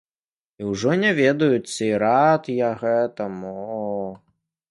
І ўжо не ведаю, ці рад я гэтаму.